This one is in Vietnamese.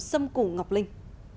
xâm củ ngọc linh